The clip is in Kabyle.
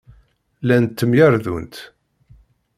Llant ttemyerdunt.